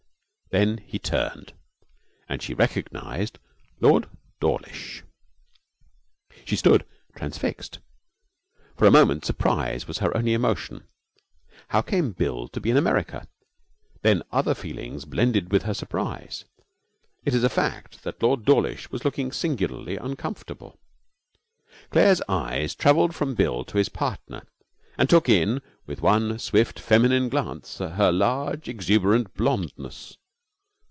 Then he turned, and she recognized Lord Dawlish. She stood transfixed. For a moment surprise was her only emotion. How came Bill to be in America? Then other feelings blended with her surprise. It is a fact that Lord Dawlish was looking singularly uncomfortable. Claire's eyes travelled from Bill to his partner and took in with one swift feminine glance her large, exuberant blondeness.